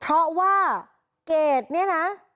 เพราะว่าเกรดเนี่ยนะ